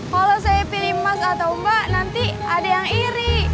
kalau saya pilih emas atau mbak nanti ada yang iri